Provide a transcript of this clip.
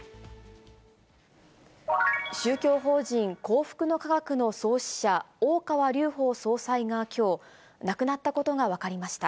宗教法人、幸福の科学の創始者、大川隆法総裁がきょう、亡くなったことが分かりました。